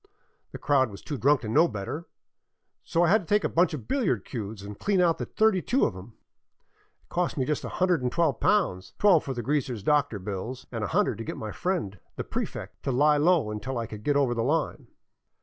The crowd was too drunk to know better, so I had to take a bunch of billiard cues and clean out the thirty two of them. It cost me just a hundred and twelve pounds — twelve for the greasers' doctor bills and a hundred to get my friend the subprefect to lie low until I could get over the line.